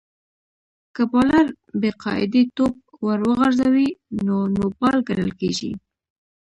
که بالر بې قاعدې توپ ور وغورځوي؛ نو نو بال ګڼل کیږي.